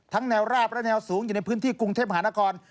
แนวราบและแนวสูงอยู่ในพื้นที่กรุงเทพมหานคร